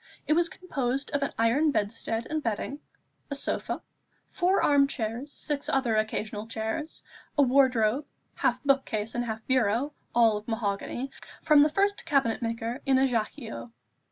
It was composed of an iron bedstead and bedding, a sofa, four arm chairs, six other occasional chairs, a wardrobe, half book case and half bureau, all of mahogany, from the first cabinet maker in Ajaccio.